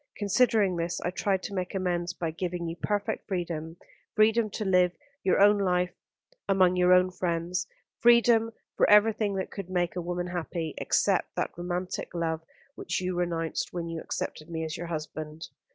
Considering this, I tried to make amends by giving you perfect freedom, freedom to live your own life among your own friends, freedom for everything that could make a woman happy, except that romantic love which you renounced when you accepted me as your husband.